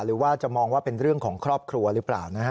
หรือว่าจะมองว่าเป็นเรื่องของครอบครัวหรือเปล่านะฮะ